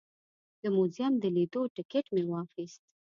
د موزیم د لیدو ټکټ مې واخیست.